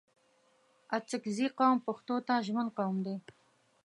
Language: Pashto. اڅګزي قوم پښتو ته ژمن قوم دی